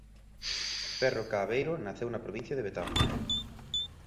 Ferro Caaveiro naceu na provincia de Betanzos.